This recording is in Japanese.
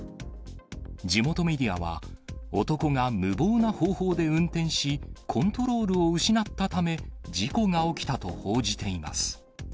地元メディアは、男が無謀な方法で運転し、コントロールを失ったため、事故が起きたと報じています。